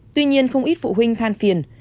tuy nhiên không ít phụ huynh than phiền